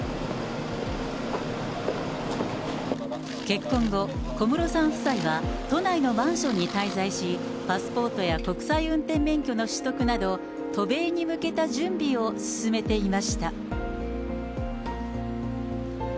結婚後、小室さん夫妻は、都内のマンションに滞在し、パスポートや国際運転免許の取得など、渡米に向けた準備を進めていました。